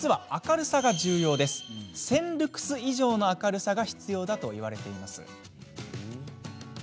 ルクス以上の明るさが必要だといわれています。